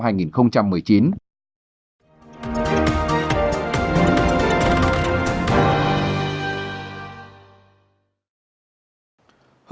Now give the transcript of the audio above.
hưởng ứng chủ trương của chính phủ